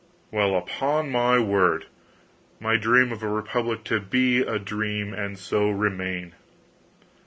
"Well, upon my word! My dream of a republic to be a dream, and so remain."